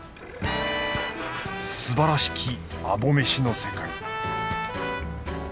すばらしきアボ飯の世界